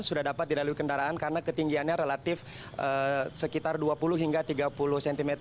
sudah dapat dilalui kendaraan karena ketinggiannya relatif sekitar dua puluh hingga tiga puluh cm